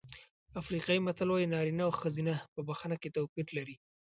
افریقایي متل وایي نارینه او ښځه په بښنه کې توپیر لري.